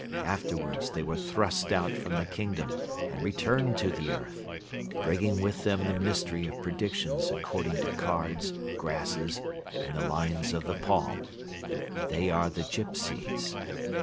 Afterwards they were thrust out from the kingdom and returned to the earth, bringing with them the mystery of predictions according to cards, grasses and the lines of the palm. They are the Gypsies.